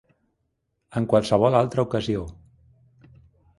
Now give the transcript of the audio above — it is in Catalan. En qualsevol altra ocasió